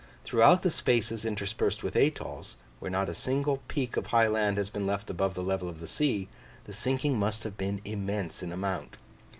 Throughout the spaces interspersed with atolls, where not a single peak of high land has been left above the level of the sea, the sinking must have been immense in amount.